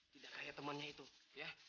tidak kayak temannya itu ya